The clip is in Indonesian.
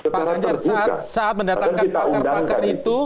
pak ganjar saat mendatangkan pakar pakar itu